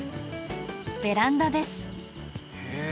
ベランダですへえ